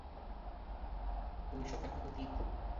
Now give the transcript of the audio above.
ঐ শোক এখন অতীত।